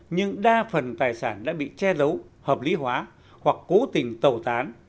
nhưng đa phần tài sản đã bị che giấu hợp lý hóa hoặc cố tình tàu tán